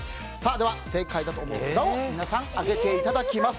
では正解だと思う札を皆さん上げていただきます。